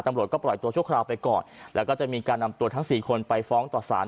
ตำรวจก็ปล่อยตัวชั่วคราวไปก่อนแล้วก็จะมีการนำตัวทั้งสี่คนไปฟ้องต่อสาร